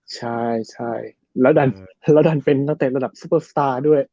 ใช่ใช่แล้วดันเป็นตั้งแต่ระดับซูเปอร์สตาร์ด้วย